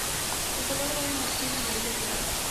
Su color va de marfil a amarillo claro.